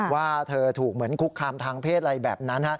ว่าเธอถูกเหมือนคุกคามทางเพศอะไรแบบนั้น